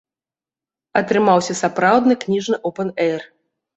Атрымаўся сапраўдны кніжны опэн-эйр.